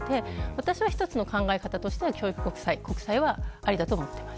私は一つの考え方として教育国債国債はありだと思っています。